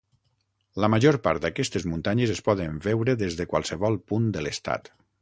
La major part d'aquestes muntanyes es poden veure des de qualsevol punt de l'estat.